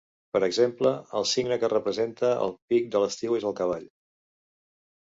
Per exemple, el signe que representa el pic de l'estiu és el cavall.